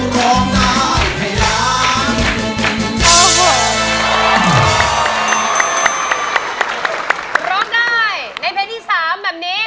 ร้องได้